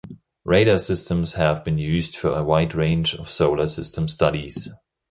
Radar systems have been used for a wide range of solar system studies.